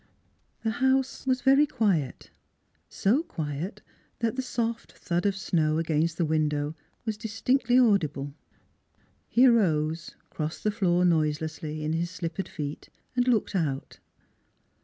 The house was very quiet, so quiet that the soft thud of snow against the window was distinctly audible. He arose, crossed the floor noiselessly in his slippered feet and looked out.